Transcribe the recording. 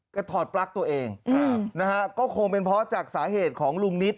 ถอดปลั๊กตัวเองนะฮะก็คงเป็นเพราะจากสาเหตุของลุงนิด